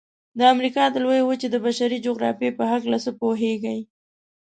د امریکا د لویې وچې د بشري جغرافیې په هلکه څه پوهیږئ؟